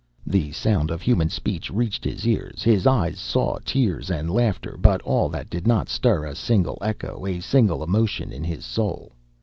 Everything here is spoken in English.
The sound of human speech reached his ears, his eyes saw tears and laughter, but all that did not stir a single echo, a single emotion in his soul.